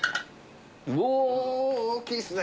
うお大きいっすね